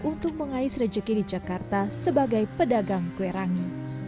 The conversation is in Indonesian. untuk mengais rezeki di jakarta sebagai pedagang kwerangi